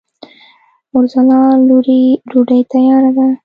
اورځلا لورې! ډوډۍ تیاره ده؟